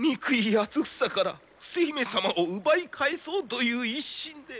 八房から伏姫様を奪い返そうという一心で。